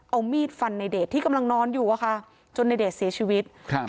เอามีดฟันในเดชที่กำลังนอนอยู่อะค่ะจนในเดชเสียชีวิตครับ